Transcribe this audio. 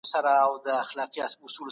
کم سن د واده او انتخاب لپاره مناسب نه وي